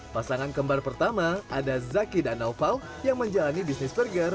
pasangan kembar pertama ada zaki dan naufal yang menjalani bisnis burger